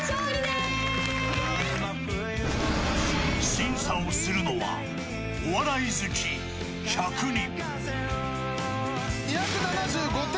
審査をするのは、お笑い好き１００人。